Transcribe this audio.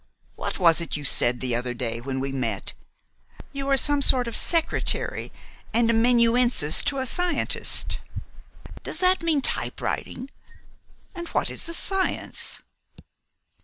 "What was it you said the other day when we met? You are some sort of secretary and amanuensis to a scientist? Does that mean typewriting? And what is the science?"